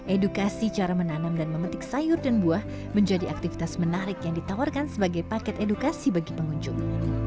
edukasi cara menanam dan memetik sayur dan buah menjadi aktivitas menarik yang ditawarkan sebagai paket edukasi bagi pengunjung